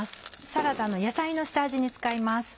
サラダの野菜の下味に使います。